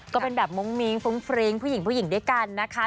ก็เป็นแบบมุ้งมิ้งฟรุ้งฟริ้งผู้หญิงผู้หญิงด้วยกันนะคะ